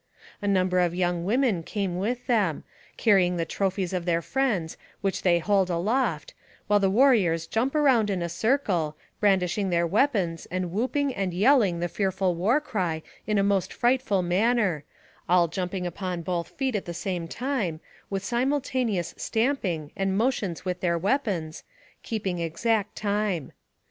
A number of young women came with them, carry ing the trophies of their friends, which they hold aloft, while the warriors jump around in a circle, brandish ing their weapons, and whooping and yelling the fear ful war cry in a most frightful manner, all jumping upon both feet at the same time, with simultaneous stamping and motions with their weapons, keeping ex act time.